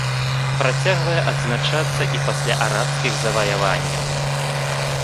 Працягвае адзначацца і пасля арабскіх заваяванняў.